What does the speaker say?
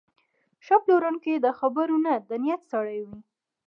ښه پلورونکی د خبرو نه، د نیت سړی وي.